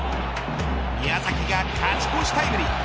宮崎が勝ち越しタイムリー。